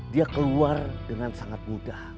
dia keluar dengan sangat mudah